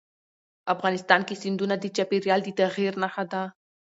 افغانستان کې سیندونه د چاپېریال د تغیر نښه ده.